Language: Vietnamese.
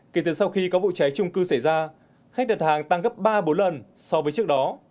kể từ sau khi có vụ cháy trung cư xảy ra khách đặt hàng tăng gấp ba bốn lần so với trước đó